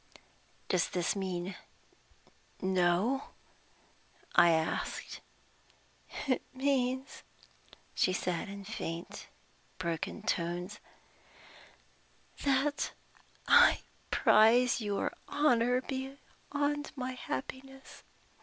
"Does this mean No?" I asked. "It means," she said in faint, broken tones, "that I prize your honor beyond my happiness.